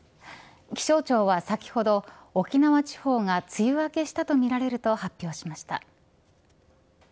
気象庁は先ほど沖縄地方が梅雨明けしたとみられると発表しました。